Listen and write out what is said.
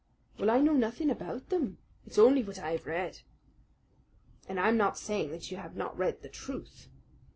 "Well, I know nothing about them. It's only what I have read." "And I'm not saying that you have not read the truth."